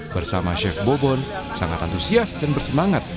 bersama chef bobon sangat antusias dan bersemangat